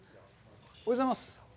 おはようございます。